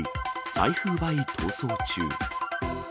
財布奪い逃走中。